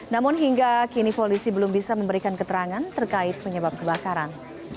namun hingga kini polisi belum bisa memberikan keterangan terkait penyebab kebakaran